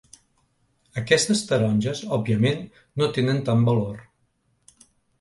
Aquestes taronges òbviament no tenen tant valor.